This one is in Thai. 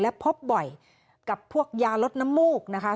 และพบบ่อยกับพวกยาลดน้ำมูกนะคะ